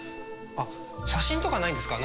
あっ写真とかないんですか？